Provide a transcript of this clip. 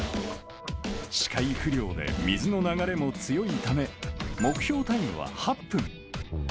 視界不良で水の流れも強いため、目標タイムは８分。